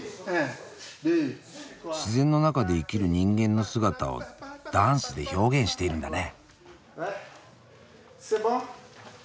自然の中で生きる人間の姿をダンスで表現しているんだね。